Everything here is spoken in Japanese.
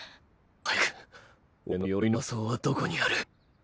早く俺の鎧の魔槍はどこにある？